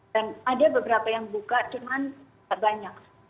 dan ada beberapa yang buka cuman banyak